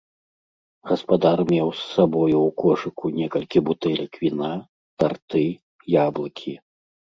Гаспадар меў з сабою ў кошыку некалькі бутэлек віна, тарты, яблыкі.